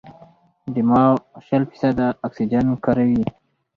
دماغ شل فیصده اکسیجن کاروي.